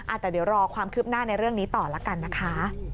แต่เดี๋ยวรอความคืบหน้าในเรื่องนี้ต่อแล้วกันนะคะ